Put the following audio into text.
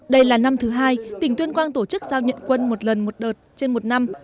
đây là năm thứ hai tỉnh tuyên quang tổ chức giao nhận quân một lần một đợt trên một năm